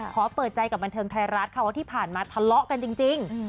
ขอเปิดใจกับบันเทิงไทยรัฐค่ะว่าที่ผ่านมาทะเลาะกันจริง